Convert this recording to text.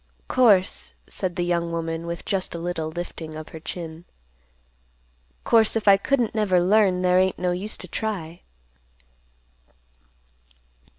"Course," said the young woman, with just a little lifting of her chin; "Course, if I couldn't never learn, there ain't no use to try."